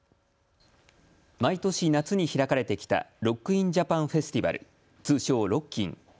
毎年、夏に開かれてきたロック・イン・ジャパン・フェスティバル、通称ロッキン。